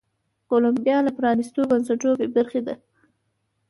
کولمبیا له پرانیستو بنسټونو بې برخې ده.